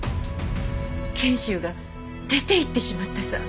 賢秀が出ていってしまったさぁ。